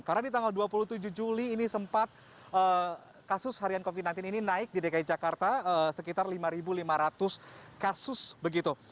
karena di tanggal dua puluh tujuh juli ini sempat kasus harian covid sembilan belas ini naik di dki jakarta sekitar lima lima ratus kasus begitu